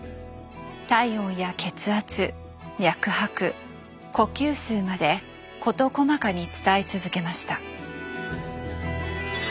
体温や血圧脈拍呼吸数まで事細かに伝え続けました。